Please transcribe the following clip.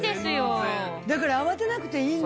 だから慌てなくていいんだ。